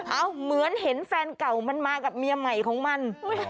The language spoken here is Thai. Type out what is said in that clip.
เหมือนเห็นแฟนเก่ามันมากับเมียใหม่ของมัน